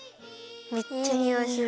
めっちゃにおいする。